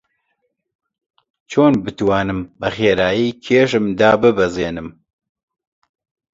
چۆن بتوانم بەخێرایی کێشم داببەزێنم؟